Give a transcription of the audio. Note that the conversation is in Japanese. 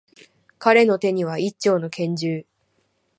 彼の手には、一丁の拳銃。